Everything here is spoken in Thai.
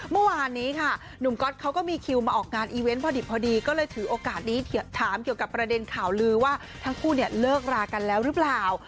เมื่อวานนี้ค่ะหนุ่มก๊อตเขาก็มีคิวมาออกงานอีเวนต์พอดิบพอดีก็เลยถือโอกาสนี้ถามเกี่ยวกับประเด็นข่าวลือว่าทั้งคู่เนี่ยเลิกรากันแล้วหรือเปล่า